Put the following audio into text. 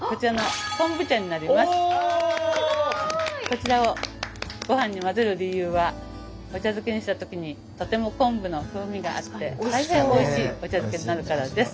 こちらをごはんに混ぜる理由はお茶漬けにした時にとても昆布の風味があって大変おいしいお茶漬けになるからです。